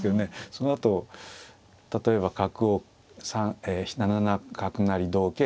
そのあと例えば角を７七角成同桂